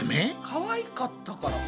かわいかったからかな？